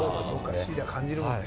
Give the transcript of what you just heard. シダー感じるもんね。